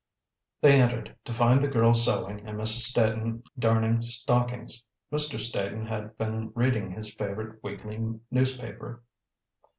They entered, to find the girls sewing and Mrs. Staton darning stockings. Mr. Staton had been reading his favorite weekly newspaper.